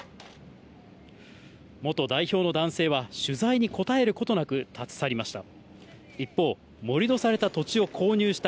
元代表の男性は取材に答えることなく、立ち去りました。